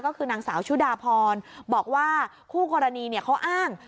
ก็คือนางสาวชุดาพรบอกว่าคู่กรณีเขาอ้าง